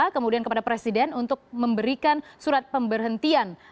kemudian kepada presiden untuk memberikan surat pemberhentian